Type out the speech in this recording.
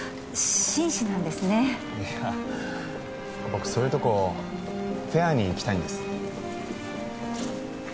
僕そういうとこフェアにいきたいんです